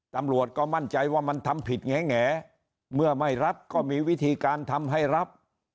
ตำรวจก็มั่นใจว่ามันทำผิดแงเมื่อไม่รับก็มีวิธีการทำให้รับ